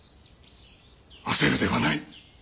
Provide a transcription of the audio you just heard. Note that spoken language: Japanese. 焦るではない。